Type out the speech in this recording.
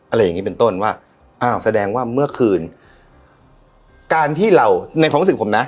อย่างงี้เป็นต้นว่าอ้าวแสดงว่าเมื่อคืนการที่เราในความรู้สึกผมนะ